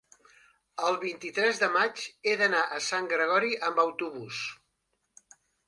el vint-i-tres de maig he d'anar a Sant Gregori amb autobús.